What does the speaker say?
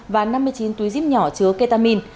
và năm mươi chín túi díp nhỏ chứa ketamin